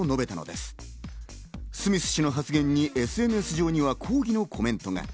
スミス氏の発言にＳＮＳ上には抗議のコメントが。